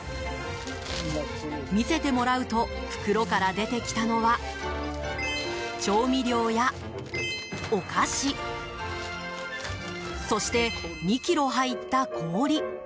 見せてもらうと袋から出てきたのは調味料やお菓子そして２ｋｇ入った氷。